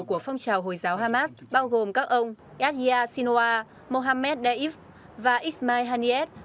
của phong trào hồi giáo hamas bao gồm các ông yadiyah sinoa mohammed daif và ismail haniyeh